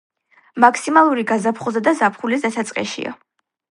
მაქსიმალური გაზაფხულზე და ზაფხულის დასაწყისშია.